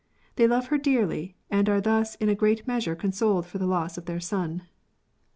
They love her dearly, and are thus in a great measure consoled for the loss of their son.